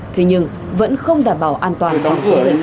thế nhưng vẫn không đảm bảo an toàn phòng chống dịch